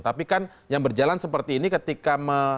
tapi kan yang berjalan seperti ini ketika